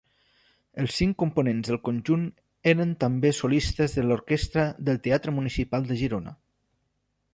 Els cinc components del conjunt eren també solistes de l'orquestra del Teatre Municipal de Girona.